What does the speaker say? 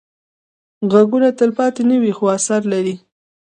غږونه تلپاتې نه وي، خو اثر لري